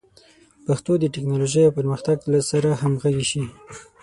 پښتو د ټکنالوژۍ او پرمختګ سره همغږي شي.